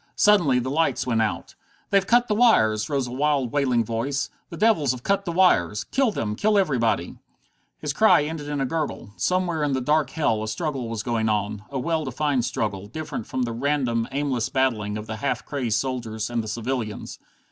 Suddenly the lights went out. "They've cut the wires!" rose a wild, wailing voice. "The devils have cut the wires! Kill them! Kill everybody!" His cry ended in a gurgle. Somewhere in that dark hell a struggle was going on, a well defined struggle, different from the random, aimless battling of the half crazed soldiers and the civilians.